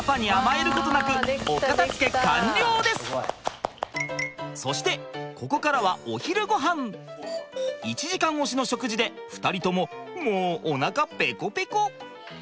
パパにそしてここからは１時間押しの食事で２人とももうおなかペコペコ。